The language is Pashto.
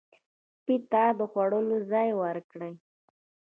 سپي ته د خوړلو ځای ورکړئ.